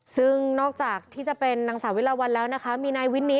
ซึ่งนอกจากที่จะเป็นนางสาวิลวัลแล้วนะคะ